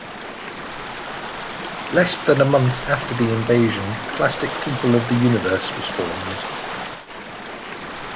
Less than a month after the invasion, Plastic People of the Universe was formed.